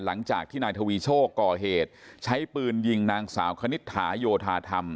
หลังจากที่นายทวีโชคก่อเหตุใช้ปืนยิงนางสาวคณิตถาโยธาธรรม